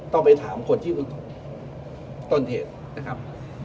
ต้องไปถามคนที่ต้นเหตุนะครับ